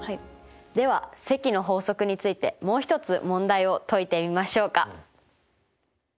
では積の法則についてもう一つ問題を解いてみましょうか。